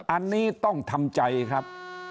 อันนี้ต้องทำใจครับ